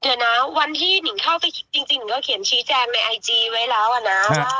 เดี๋ยวนะวันที่หนิงเข้าไปจริงหิงก็เขียนชี้แจงในไอจีไว้แล้วอะนะว่า